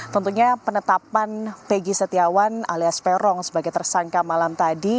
tentunya penetapan peggy setiawan alias peron sebagai tersangka malam tadi